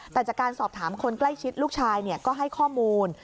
แต่จากการสอบถามคนใกล้ชิดลูกชายก็ให้ข้อมูล